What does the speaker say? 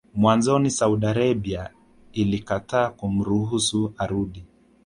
Mwanzoni Saudi Arabia ilikataa kumruhusu arudi